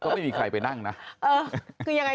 ก็ไม่มีใครไปนั่งนะเออคือยังไง